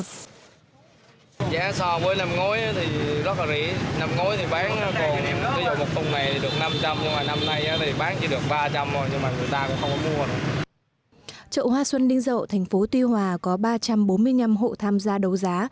trậu hoa xuân đinh dậu tp tuy hoa có ba trăm bốn mươi năm hộ tham gia đầu giá